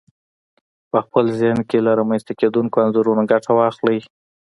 په خپل ذهن کې له رامنځته کېدونکو انځورونو ګټه واخلئ.